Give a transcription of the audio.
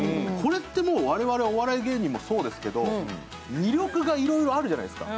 我々お笑い芸人もそうですけど魅力がいろいろあるじゃないですか。